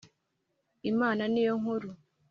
Imana niyo nkuru